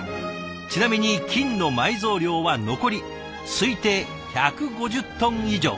ちなみに金の埋蔵量は残り推定１５０トン以上。